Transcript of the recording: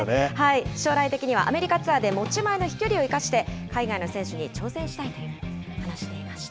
将来的には、アメリカツアーで持ち前の飛距離を生かして、海外の選手に挑戦したいと話していました。